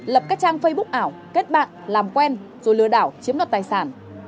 lập các trang facebook ảo kết bạn làm quen rồi lừa đảo chiếm đoạt tài sản